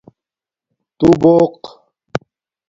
توبُوق